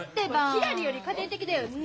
ひらりより家庭的だよね！